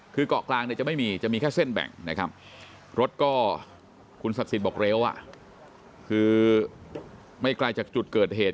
คือเกาะกลางเนี่ยจะไม่มีจะมีแค่เส้นแบ่งนะครับรถก็คุณศักดิ์สิทธิ์บอกเร็วคือไม่ไกลจากจุดเกิดเหตุ